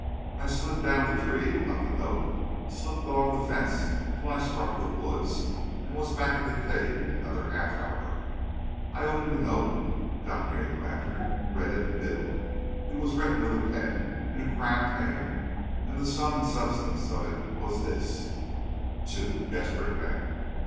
I slid down the tree, got the note, slipped along the fence till I struck the woods, and was back at the cave in another half an hour. I opened the note, got near the lantern and read it to Bill. It was written with a pen in a crabbed hand, and the sum and substance of it was this: _Two Desperate Men.